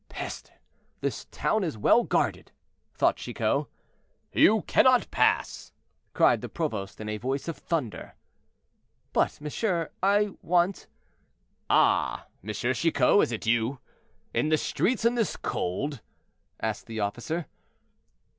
"Peste! this town is well guarded," thought Chicot. "You cannot pass!" cried the provost, in a voice of thunder. "But, monsieur, I want—" "Ah, M. Chicot, is it you? In the streets in this cold?" asked the officer.